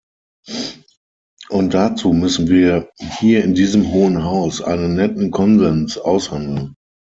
Und dazu müssen wir hier in diesem Hohen Haus einen netten Konsens aushandeln.